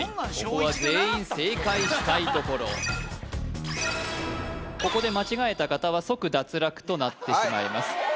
ここは全員正解したいところここで間違えた方は即脱落となってしまいます